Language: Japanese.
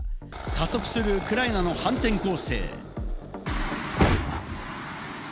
加速するウクライナの反転攻勢。